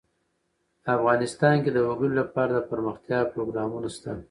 افغانستان کې د وګړي لپاره دپرمختیا پروګرامونه شته.